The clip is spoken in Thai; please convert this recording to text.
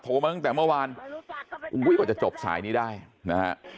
มาตั้งแต่เมื่อวานอุ้ยกว่าจะจบสายนี้ได้นะฮะ